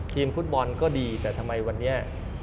ทีมฟุตบอลก็ดีแต่ทำไมวันนี้